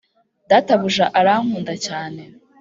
databuja arankunda cyane;